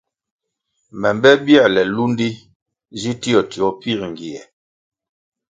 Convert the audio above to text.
Me mbe bierle lúndi zi tio tio pięr ngie.